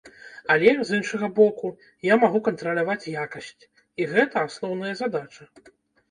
Але, з іншага боку, я магу кантраляваць якасць, і гэта асноўная задача.